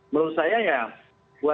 menurut saya ya